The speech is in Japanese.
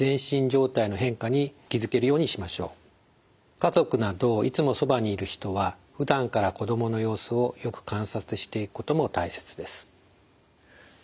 家族などいつもそばにいる人はふだんから子どもの様子をよく観察していくことも大切です。